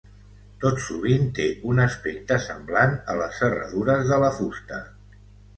Tot sovint, té un aspecte semblant a les serradures de la fusta.